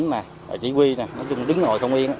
giám đốc này chỉ huy này đứng ngồi không yên